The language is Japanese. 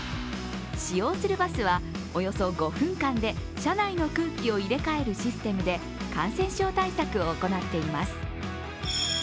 使用するバスはおよそ５分間で車内の空気を入れ替えるシステムで感染症対策を行っています。